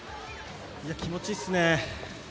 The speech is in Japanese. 気持ちいいっすね。